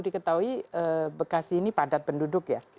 diketahui bekasi ini padat penduduk ya